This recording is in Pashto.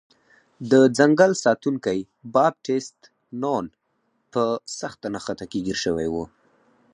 د ځنګل ساتونکی بابټیست نون په سخته نښته کې ګیر شوی و.